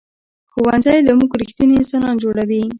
ښوونځی له موږ ریښتیني انسانان جوړوي